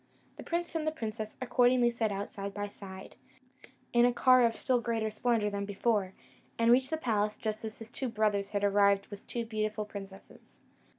The prince and princess accordingly set out side by side, in a car of still greater splendour than before, and reached the palace just as the two brothers had arrived with two beautiful princesses.